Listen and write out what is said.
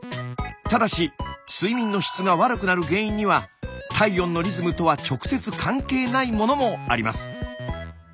ただし睡眠の質が悪くなる原因には体温のリズムとは直接関係ないものもあります。